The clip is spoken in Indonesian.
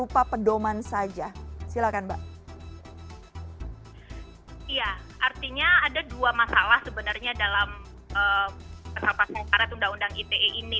pasal pasal karet undang undang ite ini